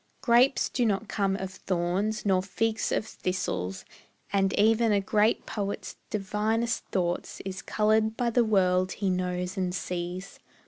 Grapes do not come of thorns nor figs of thistles, And even a great poet's divinest thought Is coloured by the world he knows and sees.